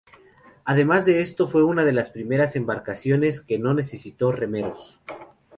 Además de esto fue una de las primeras embarcaciones que no necesitó remeros.